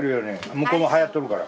向こうもはやっとるから。